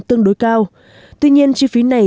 tương đối cao tuy nhiên chi phí này